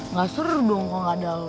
ngasur dong kalau nggak ada lo